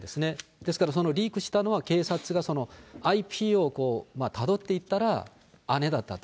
ですからそのリークしたのは、警察がＩＰをたどっていったら姉だったと。